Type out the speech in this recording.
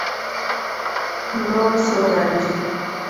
Loso mar ji.